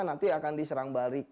nanti akan diserang balik